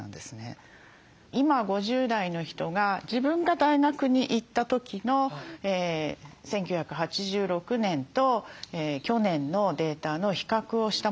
今５０代の人が自分が大学に行った時の１９８６年と去年のデータの比較をしたものなんですね。